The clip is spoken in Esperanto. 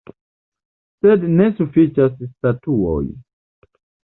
Sed ne sufiĉas statuoj.